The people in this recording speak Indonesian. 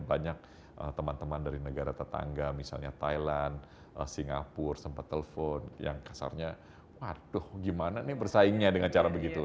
banyak teman teman dari negara tetangga misalnya thailand singapura sempat telepon yang kasarnya waduh gimana nih bersaingnya dengan cara begitu